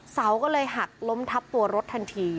เสาก็เลยหักล้มทับตัวรถทันที